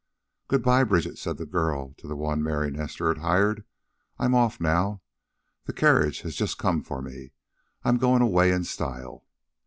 "Good by, Bridget," said this girl, to the one Mary Nestor had hired. "I'm off now. The carriage has just come for me. I'm goin' away in style."